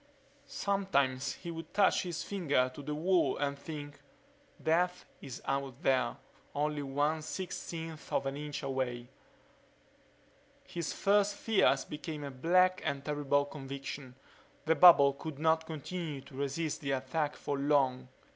Sometimes he would touch his finger to the wall and think, Death is out there, only one sixteenth of an inch away. His first fears became a black and terrible conviction: the bubble could not continue to resist the attack for long.